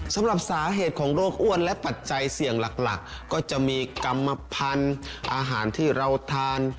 สำหรับสาเหตุของโรคอ้วนและปัจจัยเสี่ยงหลักก็จะมีกรรมพันธุ์อาหารที่เราทาน